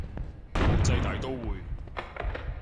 國際大刀會